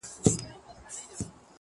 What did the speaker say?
لا به په تا پسي توېږي اوښکي!!